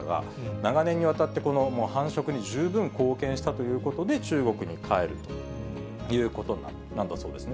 長年にわたって、繁殖に貢献したということで、中国に帰るということなんだそうですね。